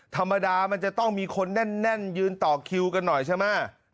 ธรรมดามันจะต้องมีคนแน่นยืนต่อคิวกันหน่อยใช่ไหม